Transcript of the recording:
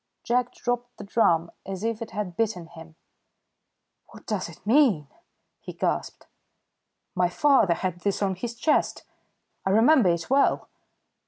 Jack dropped the drum as if it had bitten him. "What does it mean?" he gasped. "My father had this on his chest. I remember it well!"